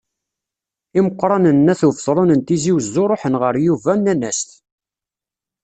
Imeqqranen n At Ubetṛun n Tizi Wezzu ṛuḥen ɣer Yuba, nnan-as-t.